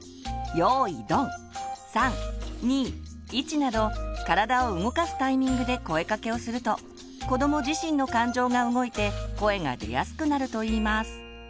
など体を動かすタイミングで声かけをすると子ども自身の感情が動いて声が出やすくなるといいます。